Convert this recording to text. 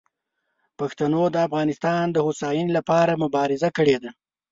پښتنو د افغانستان د هوساینې لپاره مبارزه کړې ده.